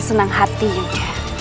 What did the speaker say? senang hati juga